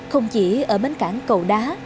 không chỉ ở bến cảng cầu đá